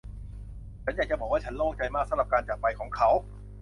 ฉันอยากจะบอกว่า ฉันโล่งใจมากสำหรับการจากไปของเขา